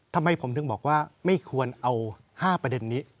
ทำไมผมถึงบอกว่าไม่ควรเอา๕ประเด็นนี้